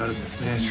いや